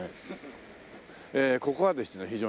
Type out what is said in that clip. ええここはですね